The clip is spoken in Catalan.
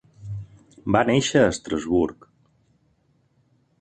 Va néixer a Estrasburg.